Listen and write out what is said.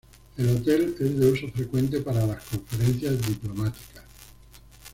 El hotel es de uso frecuente para las conferencias diplomáticas.